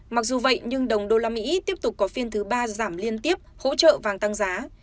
mặc dù vậy nhưng đồng đô la mỹ tiếp tục có phiên thứ ba giảm liên tiếp hỗ trợ vàng tăng giá